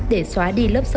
để xóa đi lớp sơn